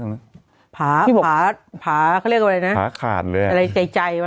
ตรงนั้นผาพี่บอกผาเขาเรียกว่าอะไรนะผาขาดเลยอะไรใจใจวะ